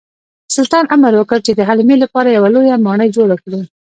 سلطان امر وکړ چې د حلیمې لپاره یوه لویه ماڼۍ جوړه کړي.